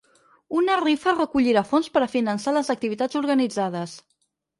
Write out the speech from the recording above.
Una rifa recollirà fons per a finançar les activitats organitzades.